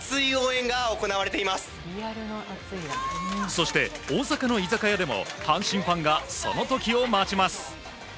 そして大阪の居酒屋でも阪神ファンがその時を待ちます。